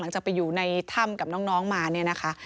จะไปอยู่ในถ้ำกับน้องมาเนี่ยนะคะ